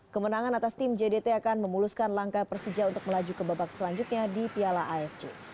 kemenangan atas tim jdt akan memuluskan langkah persija untuk melaju ke babak selanjutnya di piala afc